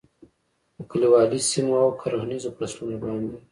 خو په کلیوالي سیمو او کرهنیزو فصلونو باندې